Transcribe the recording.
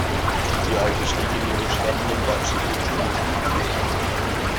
Die Alte stieg in ihre Schlappen und watschelte zur Haustür.